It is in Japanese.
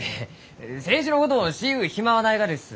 政治のことをしゆう暇はないがです。